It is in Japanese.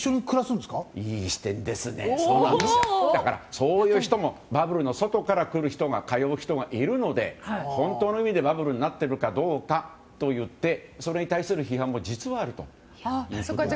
そういう人もバブルの外から通う人がいるので本当の意味でバブルになっているかどうかといってそれに対する批判も実はあるというわけです。